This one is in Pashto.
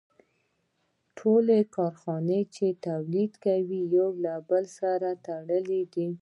ټولې کارخانې چې تولیدات کوي یو له بل سره تړلي دي